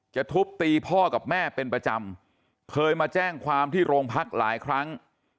ทุบตีพ่อกับแม่เป็นประจำเคยมาแจ้งความที่โรงพักหลายครั้ง